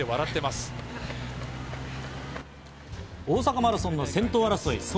大阪マラソンの先頭争い。